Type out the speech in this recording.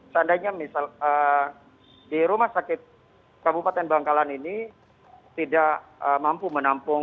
seandainya misal di rumah sakit kabupaten bangkalan ini tidak mampu menampung